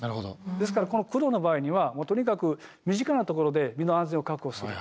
ですからこの黒の場合にはとにかく身近なところで身の安全を確保する。